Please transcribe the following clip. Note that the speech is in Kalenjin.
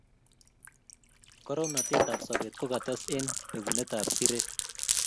Koromnatet ab sobet kokates eng' bekunetab siret